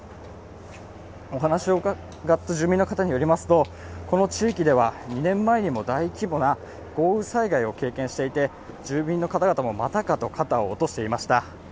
お話を伺った住民の方によりますとこの地域では２年前にも大規模な豪雨災害を経験していて、住民の方々もまたかと肩を落としていました。